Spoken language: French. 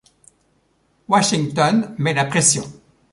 Washington met la pression.